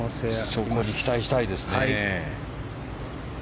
そこは期待したいですね。